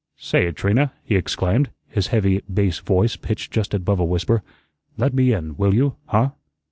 "Say, Trina," he exclaimed, his heavy bass voice pitched just above a whisper, "let me in, will you, huh?